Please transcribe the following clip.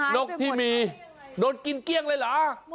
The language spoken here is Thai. นกที่มีนกกินเกรียงอะไรหรอ